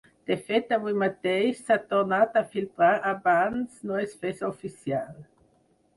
De fet, avui mateix s’ha tornat a filtrar abans no es fes oficial.